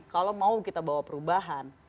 kalau mau kita bawa perubahan